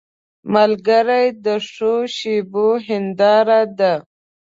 ملګری د ښو شېبو هنداره ده